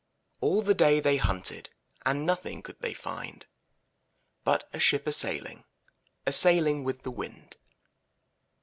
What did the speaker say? All the day they hunted, And nothing could they find But a ship a sailing, A sailing with the wind.